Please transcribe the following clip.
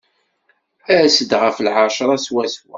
As-d ɣef lɛecṛa swaswa.